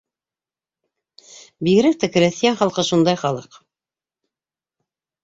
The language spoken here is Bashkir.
Бигерәк тә крәҫтиән халҡы шундай халыҡ.